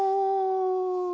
お！